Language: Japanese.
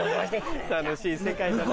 楽しい世界だな。